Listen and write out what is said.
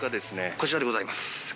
こちらでございます。